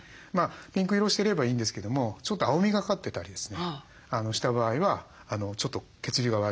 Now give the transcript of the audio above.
ピンク色をしてればいいんですけどもちょっと青みがかってたりですねした場合はちょっと血流が悪いんです。